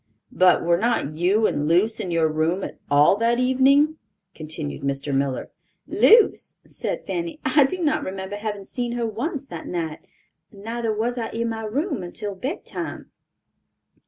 "But were not you and Luce in your room at all that evening?" continued Mr. Miller. "Luce!" said Fanny; "I do not remember having seen her once that night; neither was I in my room until bedtime."